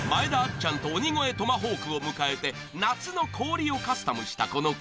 ちゃんと鬼越トマホークを迎えて夏の氷をカスタムしたこの回］